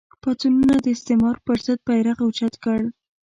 پاڅونونو د استعمار پر ضد بېرغ اوچت کړ